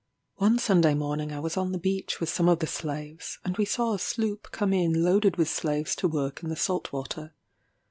One Sunday morning I was on the beach with some of the slaves, and we saw a sloop come in loaded with slaves to work in the salt water.